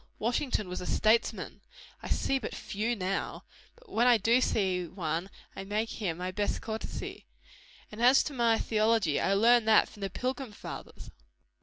Washington was a statesman! I see but few now; but when I do see one, I make him my best courtesy. And as to my theology, I learned that from the pilgrim fathers."